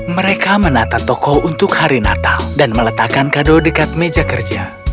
mereka menata toko untuk hari natal dan meletakkan kado dekat meja kerja